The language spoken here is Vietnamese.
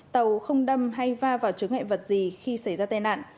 tàu không đâm hay va vào chứa ngại vật gì khi xảy ra tai nạn